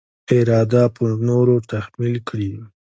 اراده پر نورو تحمیل کړي.